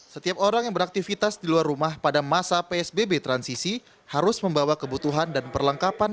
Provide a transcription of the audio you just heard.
setiap orang yang beraktivitas di luar rumah pada masa psbb transisi harus membawa kebutuhan dan perlengkapan